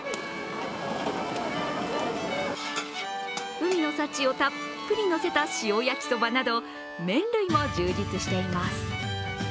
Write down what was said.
海の幸をたっぷりのせた塩焼きそはなど麺類も充実しています。